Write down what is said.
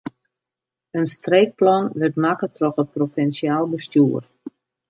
In streekplan wurdt makke troch it provinsjaal bestjoer.